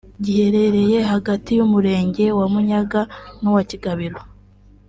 giherereye hagati y’Umurenge wa Munyaga n’uwa Kigabiro